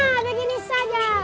nah begini saja